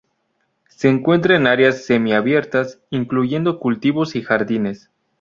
Se encuentra en áreas semi-abiertas, incluyendo cultivos y jardines.